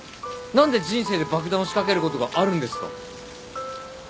何で人生で爆弾を仕掛けることがあるんですか。